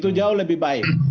itu jauh lebih baik